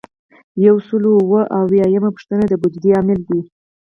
یو سل او اووه اویایمه پوښتنه د بودیجې عامل دی.